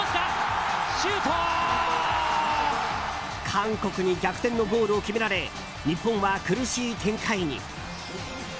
韓国に逆転のゴールを決められ日本は苦しい展開に。